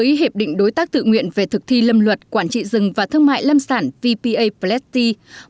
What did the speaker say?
với hiệp định đối tác tự nguyện về thực thi lâm luật quản trị rừng và thương mại lâm sản ppa flecti